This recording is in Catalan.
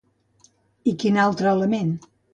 I quin altre element?